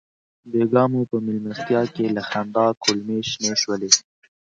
بېګا مو په مېلمستیا کې له خندا کولمې شنې شولې.